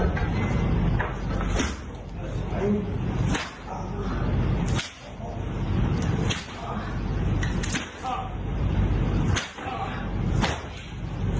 เสียงที่ได้ยินในคลิปคือ